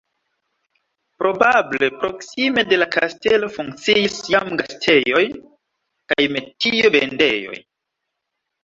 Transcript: Probable proksime de la kastelo funkciis jam gastejoj kaj metio-vendejoj.